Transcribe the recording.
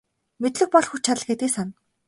Мэдлэг бол хүч чадал гэдгийг сана.